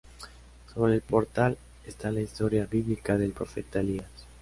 Sobre el portal esta la historia bíblica del profeta Elías.